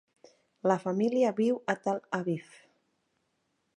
La família viu a Tel Aviv.